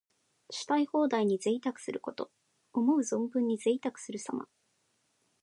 したい放題に贅沢すること。思う存分にぜいたくするさま。